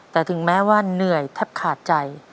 แต่ถึงแม้ว่าเหนื่อยแทบขาดใจ